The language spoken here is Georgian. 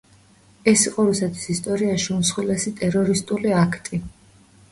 ეს იყო რუსეთის ისტორიაში უმსხვილესი ტერორისტული აქტი.